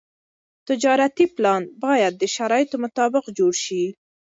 تجارتي پلان باید د شرایطو مطابق جوړ شي.